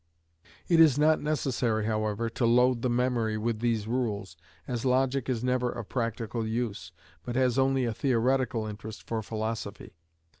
It is not necessary, however, to load the memory with these rules, as logic is never of practical use, but has only a theoretical interest for philosophy.